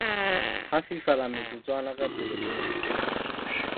Ha fifala metsotswana ka pele ho yena.